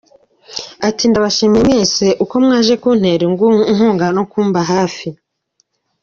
Ati “Ndabashimiye mwese uko mwaje kuntera inkunga no kumba hafi.